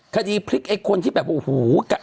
คดีพลิกไอ้คนที่แบบโอ้โห